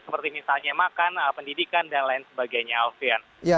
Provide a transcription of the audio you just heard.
seperti misalnya makan pendidikan dan lain sebagainya alfian